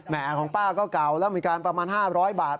ของป้าก็เก่าแล้วมีการประมาณ๕๐๐บาท